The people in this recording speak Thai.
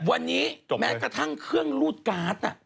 วันนี้แม้กระทั่งเครื่องรูดการ์ด